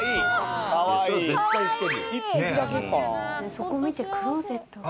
そこ見て、クローゼット。